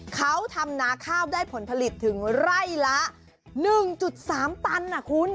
เขาทำนาข้าวได้ผลผลิตถึงไร่ละ๑๓ตันนะคุณ